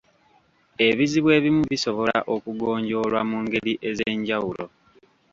Ebizibu ebimu bisobola okugonjoolwa mu ngeri ez'enjawulo.